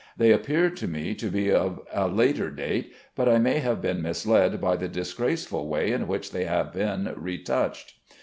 They appeared to me to be of a later date, but I may have been misled by the disgraceful way in which they have been retouched.